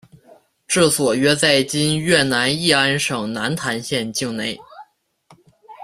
治所约在今越南乂安省南坛县境内。